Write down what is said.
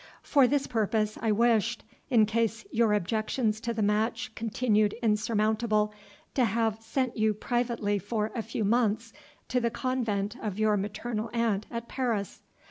For this purpose I wished, in case your objections to the match continued insurmountable, to have sent you privately for a few months to the convent of your maternal aunt at Paris.